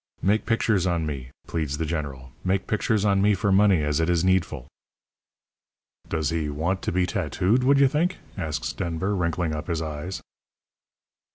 "'Make pictures on me,' pleads the General 'make pictures on me for money as it is needful.' "'Does he want to be tattooed, would you think?' asks Denver, wrinkling up his eyes.